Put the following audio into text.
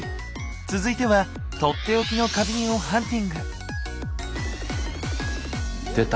続いては取って置きの花瓶をハンティング。